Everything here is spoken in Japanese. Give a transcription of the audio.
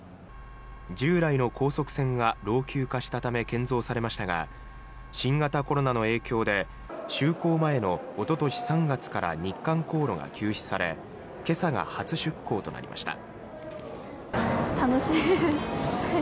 従来の高速船が老朽化したため建造されましたが新型コロナの影響で就航前のおととし３月から日韓航路が休止され今朝が初出航となりました。